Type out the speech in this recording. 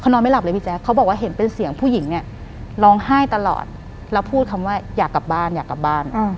นอนไม่หลับเลยพี่แจ๊คเขาบอกว่าเห็นเป็นเสียงผู้หญิงเนี่ยร้องไห้ตลอดแล้วพูดคำว่าอยากกลับบ้านอยากกลับบ้าน